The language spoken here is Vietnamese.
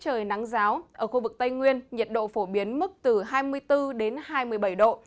trời nắng giáo ở khu vực tây nguyên nhiệt độ phổ biến mức từ hai mươi bốn đến hai mươi bảy độ